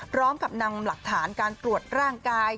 พร้อมกับนำหลักฐานการตรวจร่างกาย